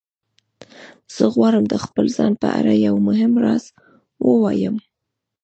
زه غواړم د خپل ځان په اړه یو مهم راز ووایم